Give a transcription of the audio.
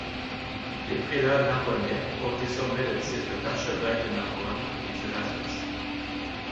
Les prélats narbonnais portent désormais le titre d'archevêques de Narbonne et du Razès.